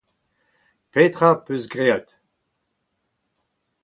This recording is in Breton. Petra az peus graet ?